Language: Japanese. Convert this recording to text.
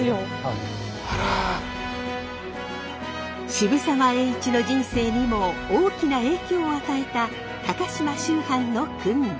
渋沢栄一の人生にも大きな影響を与えた高島秋帆の訓練。